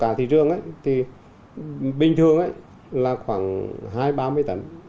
cả thị trường thì bình thường là khoảng hai ba mươi tấn